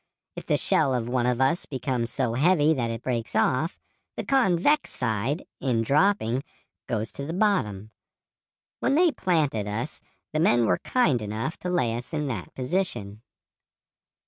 If the shell of one of us becomes so heavy that it breaks off, the convex side, in dropping, goes to the bottom. When they planted us the men were kind enough to lay us in that position.